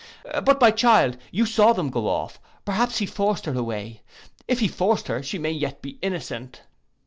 But my child, you saw them go off: perhaps he forced her away? If he forced her, she may 'yet be innocent.